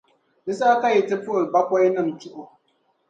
di saha ka yi ti puhi bakɔinima chuɣu.